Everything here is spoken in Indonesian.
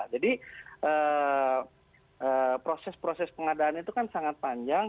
jadi proses proses pengadaan itu kan sangat panjang